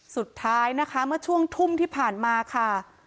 สุดท้ายนะคะเมื่อช่วงทุ่มที่ผ่านมาค่ะ